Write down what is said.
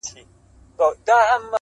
زما پاچا زما له خياله نه وتلی~